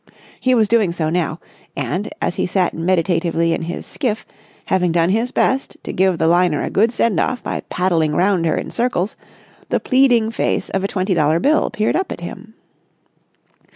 He was doing so now: and, as he sat meditatively in his skiff, having done his best to give the liner a good send off by paddling round her in circles, the pleading face of a twenty dollar bill peered up at him.